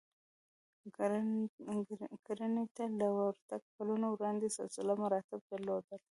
کرنې ته له ورتګ کلونه وړاندې سلسله مراتب درلودل